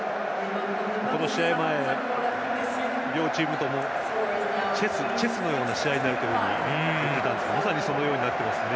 この試合前、両チームともチェスのような試合になると聞いたんですけどまさにそのようになっていますね。